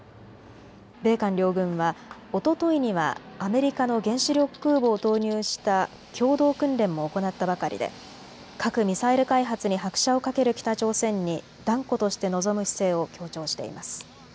米韓両軍はおとといにはアメリカの原子力空母を投入した共同訓練も行ったばかりで核・ミサイル開発に拍車をかける北朝鮮に断固として臨む姿勢を強調しています。